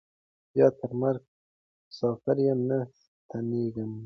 بیا تر مرګه مساپر یم نه ستنېږم